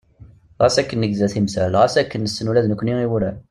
Xas akken negza timsal, xas akken nessen ula d nekkni i wurar.